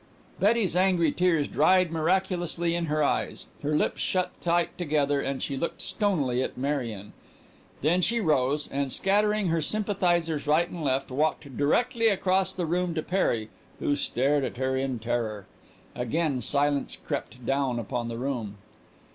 Betty's angry tears dried miraculously in her eyes, her lips shut tight together, and she looked stonily at Marion. Then she rose and, scattering her sympathizers right and left, walked directly across the room to Perry, who stared at her in terror. Again silence crept down upon the room.